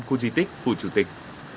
khu di tích phủ chủ tịch